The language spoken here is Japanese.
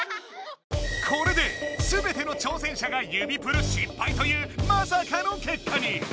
これですべての挑戦者が指プル失敗というまさかの結果に。